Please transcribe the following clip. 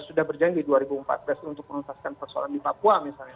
sudah berjanji dua ribu empat belas untuk menuntaskan persoalan di papua misalnya